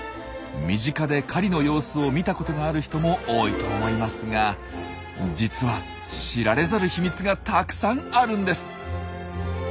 身近で狩りの様子を見たことがある人も多いと思いますが実は知られざる秘密がたくさんあるんです。